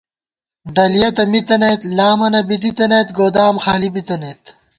ڈلِیَہ تہ مِتَنَئیت، لامَنہ بی دِی تَنَئیت، گودام خالی بِتَنَئیت